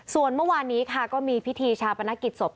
ส่วนเมื่อวานนี้ค่ะก็มีพิธีชาปนกิจศพ